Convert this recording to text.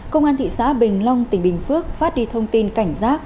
công an thị xã bình long tỉnh bình phước phát đi thông tin cảnh giác